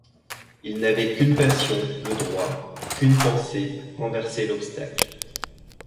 Il n’avait qu’une passion, le droit, qu’une pensée, renverser l’obstacle.